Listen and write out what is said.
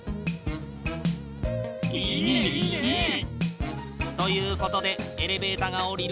いいねいいね！ということでエレベータが下りるシーケンス制御。